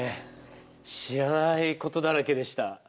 知らないことだらけでした。